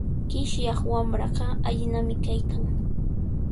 Qishyaq wamraqa allinami kaykan.